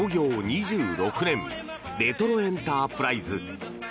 ２６年レトロエンタープライズ。